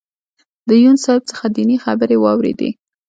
د یون صاحب څخه دینی خبرې واورېدې.